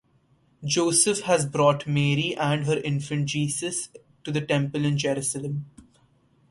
Joseph has brought Mary and her infant Jesus to the temple in Jerusalem.